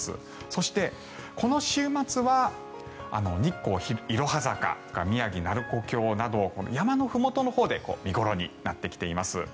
そして、この週末は日光・いろは坂宮城・鳴子峡など山のふもとのほうで見頃になってきています。